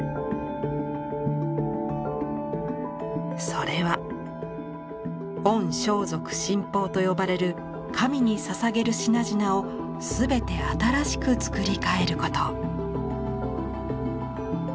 それは御装束神宝と呼ばれる神に捧げる品々をすべて新しく作り替えること。